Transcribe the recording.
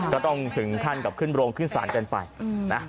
ก็ต้องถึงขั้นกับขึ้นโรงขึ้นศาลกันไปนะ